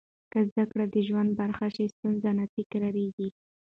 که زده کړه د ژوند برخه شي، ستونزې نه تکرارېږي.